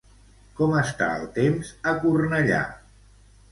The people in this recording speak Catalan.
Com està el temps a Cornellà?